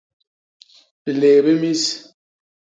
Biléé bi mis.